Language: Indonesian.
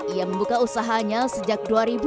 ia membuka usahanya sejak dua ribu dua puluh satu